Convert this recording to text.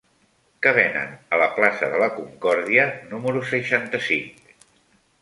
Què venen a la plaça de la Concòrdia número seixanta-cinc?